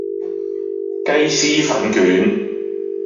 雞絲粉卷